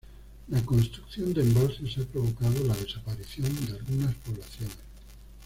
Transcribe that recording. La construcción de embalses ha provocado la desaparición de algunas poblaciones.